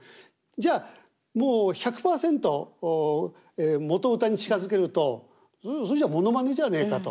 じゃあもう１００パーセント元歌に近づけると「それじゃものまねじゃねえか」と。